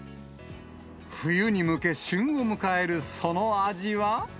冬に向け、旬を迎えるその味は？